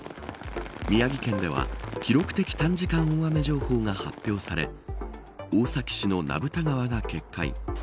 宮城県では記録的短時間大雨情報が発表され大崎市の名蓋川が決壊。